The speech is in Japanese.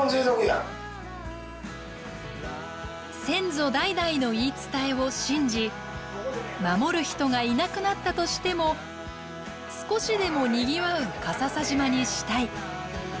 先祖代々の言い伝えを信じ守る人がいなくなったとしても少しでもにぎわう笠佐島にしたい。